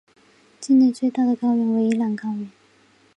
境内最大的高原为伊朗高原。